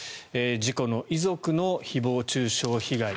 事故の遺族の誹謗・中傷被害。